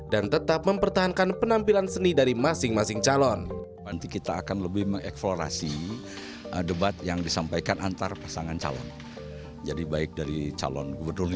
dan tetap mempertahankan penampilan seni dari masing masing calon